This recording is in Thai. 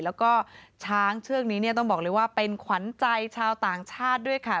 แล้วก็ช้างเชือกนี้เนี่ยต้องบอกเลยว่าเป็นขวัญใจชาวต่างชาติด้วยค่ะ